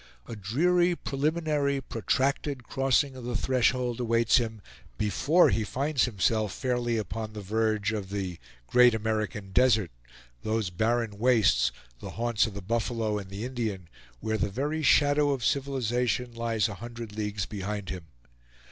A dreary preliminary, protracted crossing of the threshold awaits him before he finds himself fairly upon the verge of the "great American desert," those barren wastes, the haunts of the buffalo and the Indian, where the very shadow of civilization lies a hundred leagues behind him.